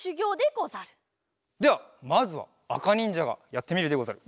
ではまずはあかにんじゃがやってみるでござる。